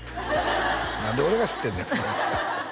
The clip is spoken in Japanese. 何で俺が知ってんねん